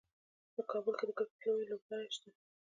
کابل کې د کرکټ لوی لوبغالی شته.